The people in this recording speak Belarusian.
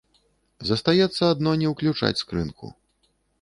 Застаецца адно не ўключаць скрынку.